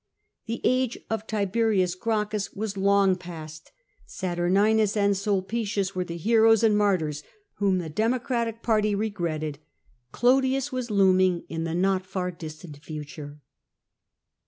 The age of Tiberius Gracchus was long past ; Saturninus and Sulpieius were the heroes and martyrs whom the Democratic party regretted. Clodius was looming in the not far distant future.